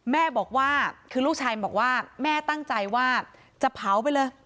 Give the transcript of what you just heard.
แม่บอกว่าคือลูกชายบอกว่าแม่ตั้งใจว่าจะเผาไปเลย